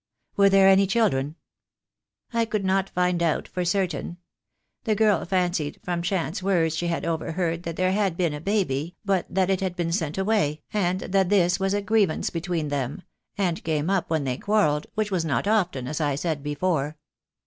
"Were there any children?" "I could not find out for certain. The girl fancied 'from chance words she had overheard that there had been a baby, but that it had been sent away, and that THE DAY WILL COME. 75 this was a grievance between them, and came up when they quarrelled, which was not often, as I said before.